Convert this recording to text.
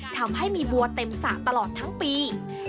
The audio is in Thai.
ทำให้มีบัวเต็มสระตลอดทั้งปี